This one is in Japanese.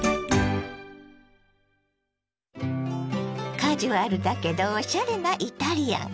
カジュアルだけどおしゃれなイタリアン。